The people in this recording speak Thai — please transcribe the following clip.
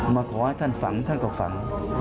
มาขอให้ท่านฝันท่านก็ฝัน